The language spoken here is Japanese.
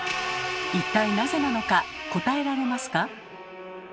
一体なぜなのか答えられますか？